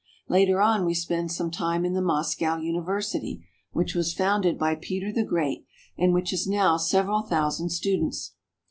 Later on we spend some time in the Moscow University, which was founded by Peter the Great, and which has now several thousand students.